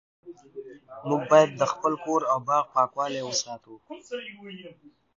موږ باید د خپل کور او باغ پاکوالی وساتو